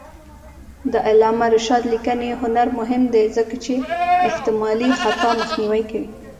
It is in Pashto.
د علامه رشاد لیکنی هنر مهم دی ځکه چې احتمالي خطا مخنیوی کوي.